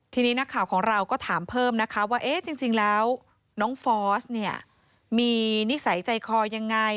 ทีนี้นักข่าวของเราก็ถามเพิ่มนะคะว่าเอ๊ะจริงแล้วน้องฟอสเนี่ยมีนิสัยใจคอยังไง